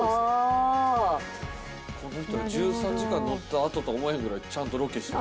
この人１３時間乗った後とは思えへんぐらいちゃんとロケしてる。